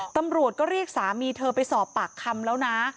ตำรวจก็เรียกสามีเธอไปสอบปากคำแล้วนะ